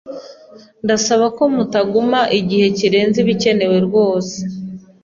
Ndasaba ko mutaguma igihe kirenze ibikenewe rwose.